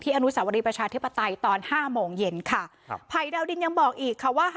อนุสาวรีประชาธิปไตยตอนห้าโมงเย็นค่ะครับภัยดาวดินยังบอกอีกค่ะว่า